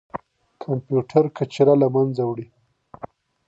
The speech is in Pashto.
کمپيوټر کچره له منځه وړي.